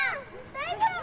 大丈夫？